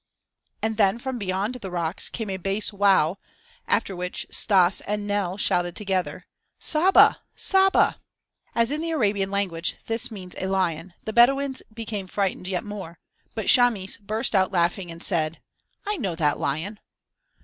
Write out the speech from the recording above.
And then from beyond the rocks came a bass "wow" after which Stas and Nell shouted together: "Saba! Saba!" As in the Arabian language this means a lion, the Bedouins became frightened yet more, but Chamis burst out laughing and said: "I know that lion."